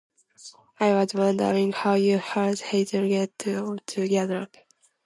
I was wondering how you and Hazel get on together.